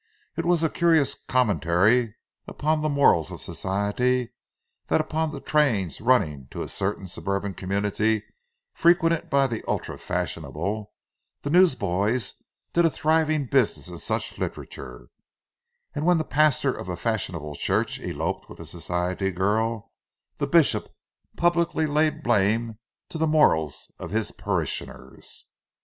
It was a curious commentary upon the morals of Society that upon the trains running to a certain suburban community frequented by the ultra fashionable, the newsboys did a thriving business in such literature; and when the pastor of the fashionable church eloped with a Society girl, the bishop publicly laid the blame to the morals of his parishioners!